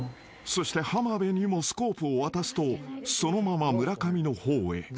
［そして浜辺にもスコープを渡すとそのまま村上の方へ］